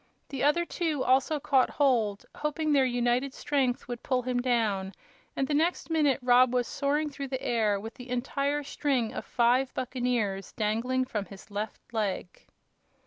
The other two also caught hold, hoping their united strength would pull him down, and the next minute Rob was soaring through the air with the entire string of five buccaneers dangling from his left leg.